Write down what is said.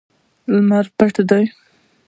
لمر پټ دی